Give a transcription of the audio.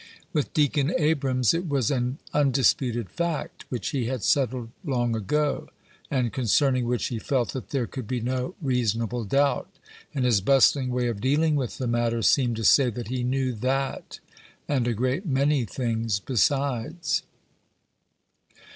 With Deacon Abrams it was an undisputed fact, which he had settled long ago, and concerning which he felt that there could be no reasonable doubt, and his bustling way of dealing with the matter seemed to say that he knew that and a great many things besides.